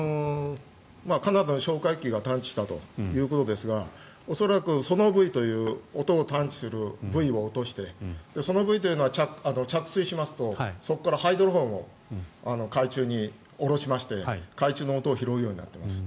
カナダの哨戒機が探知したということですが恐らくソナーブイという音を探知するブイを落としてそのブイは着水しますとそこからハイドロフォンを海中に下ろしまして、海中の音を拾うようになっています。